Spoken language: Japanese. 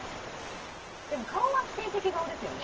でも顔は否定的顔ですよね。